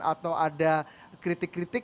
atau ada kritik kritik